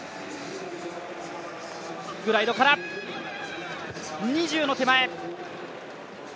グライドから、２０の手前。